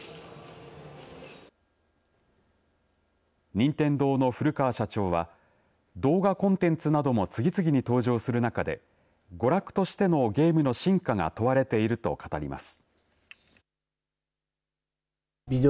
任天堂の古川社長は動画コンテンツなども次々に登場する中で娯楽としてのゲームの真価が問われていると語ります。